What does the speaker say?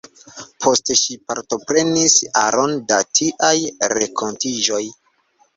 Poste ŝi partoprenis aron da tiaj renkontiĝoj.